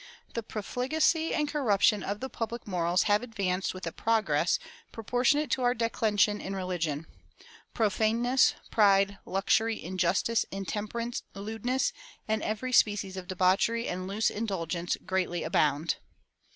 The profligacy and corruption of the public morals have advanced with a progress proportionate to our declension in religion. Profaneness, pride, luxury, injustice, intemperance, lewdness, and every species of debauchery and loose indulgence greatly abound."